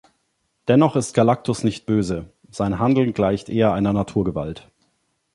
Dennoch ist Galactus nicht böse, sein Handeln gleicht eher einer Naturgewalt.